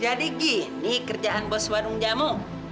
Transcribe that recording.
jadi gini kerjaan bos warung jamu